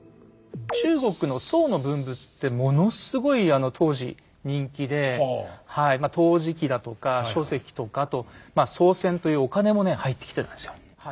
中国の宋の文物ってものすごい当時人気で陶磁器だとか書籍とかあと宋銭というお金もね入ってきてたんですよ。